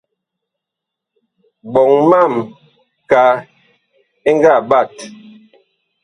Ɓoŋ mam kaa ɛ ngaa ɓat.